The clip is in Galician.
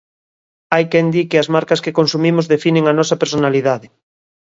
Hai quen di que as marcas que consumimos definen a nosa personalidade.